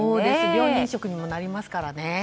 病人食にもなりますからね。